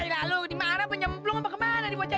yaudah lu dimana penyemplung apa kemana